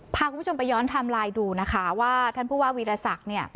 พาคุณผู้ชมไปย้อนไทม์ไลน์ดูนะคะว่าท่านผู้ว่าวีรศักดิ์เนี่ย